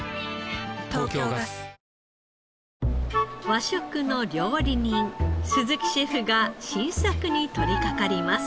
和食の料理人鈴木シェフが新作に取りかかります。